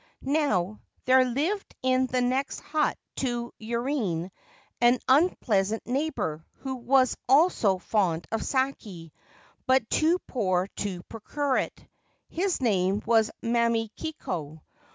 Now, there lived in the next hut to Yurine an un pleasant neighbour who also was fond of sake, but too poor to procure it. His name was Mamikiko.